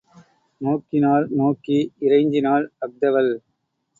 நோக்கினாள் நோக்கி இறைஞ்சினாள் அஃதவள்.